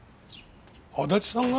足立さんが？